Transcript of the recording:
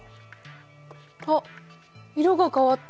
あっ色が変わった。